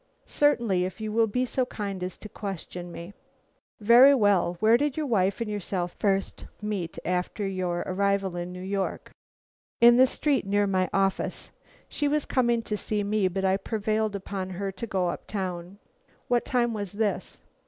"Certainly, if you will be so kind as to question me." "Very well; where did your wife and yourself first meet after your arrival in New York?" "In the street near my office. She was coming to see me, but I prevailed upon her to go uptown." "What time was this?"